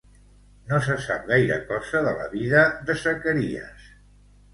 No se sap gaire cosa de la vida de Zacaries.